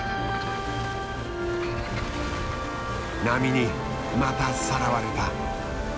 波にまたさらわれた。